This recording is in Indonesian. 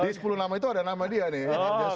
di sepuluh nama itu ada nama dia nih